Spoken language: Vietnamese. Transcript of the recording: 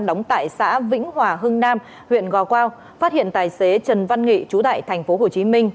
đóng tại xã vĩnh hòa hưng nam huyện gò quao phát hiện tài xế trần văn nghị chú tại thành phố hồ chí minh